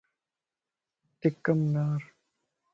ٽکَ مَ نارَ